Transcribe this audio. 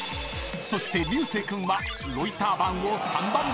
［そして流星君は］